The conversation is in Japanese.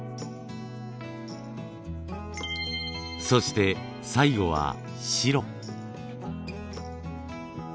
そして最後は白。